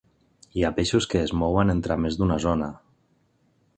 Hi ha peixos que es mouen entre més d'una zona.